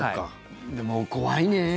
でも、怖いね。